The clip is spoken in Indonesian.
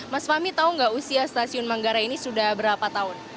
mas fahmi tahu nggak usia stasiun manggarai ini sudah berapa tahun